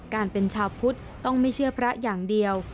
การเป็นชาวพุทธต้องไม่เชื่อพระอย่างเดียว